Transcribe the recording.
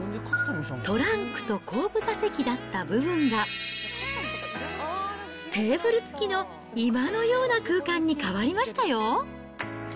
トランクと後部座席だった部分が、テーブル付きの居間のような空間に変わりましたよ。